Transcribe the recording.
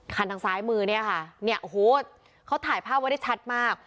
ทางซ้ายมือเนี่ยค่ะเนี่ยโอ้โหเขาถ่ายภาพไว้ได้ชัดมาก